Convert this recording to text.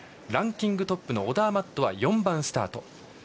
ランキングトップのオダーマットは４番スタート。